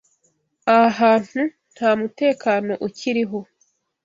Aha hantu nta mutekano ukiriho.